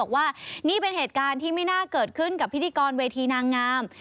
ว่านี่เป็นเหตุการณ์ที่ไม่น่าเกิดขึ้นกับพิธีกรเวทีนางงาม